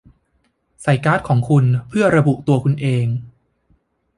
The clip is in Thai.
ใส่การ์ดของคุณเพื่อระบุตัวคุณเอง